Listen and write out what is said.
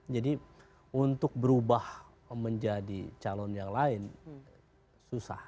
jadi untuk berubah menjadi calon yang lain susah